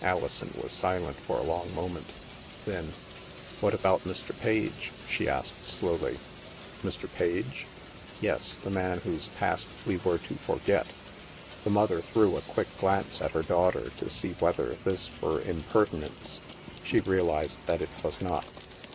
Alison was silent for a long moment. Then, " What about Mr. Page ?" she asked slowly. " Mr. Page ?"" Yes. The man whose past we were to forget." The mother threw a quick glance at her daughter to see whether this were impertinence. She realized that it was not.